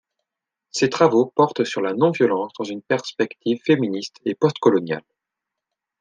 Ses travaux portent sur la non-violence dans une perspective féministe et postcoloniale.